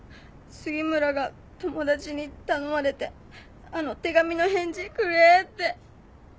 杉村が友達に頼まれてあの手紙の返事くれって。